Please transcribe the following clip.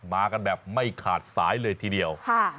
มากันแบบไม่ขาดสายเลยทีเดียว